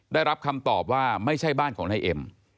ได้รับคำตอบว่าไม่ใช่บ้านของนายเอ็ม